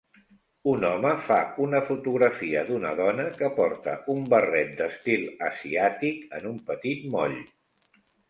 Un home fa una fotografia d'una dona que porta un barret d'estil asiàtic en un petit moll